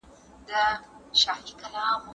هر څوک چي پوهه غواړي کتاب دې واخلي.